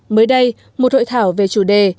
mới đây một hội thảo về chủ đề